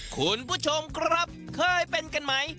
คุณผู้ชมครับเคยเป็นกันไหม